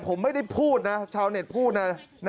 ผมไม่ได้พูดนะชาวเน็ตพูดนะ